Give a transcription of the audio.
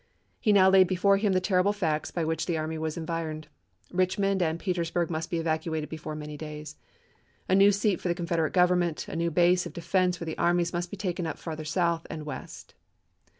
He now laid before him the terrible facts by which the army was environed: Eichmond and Peters burg must be evacuated before many days ; a new seat for the Confederate Government, a new base of defense for the armies must be taken up farther south and west.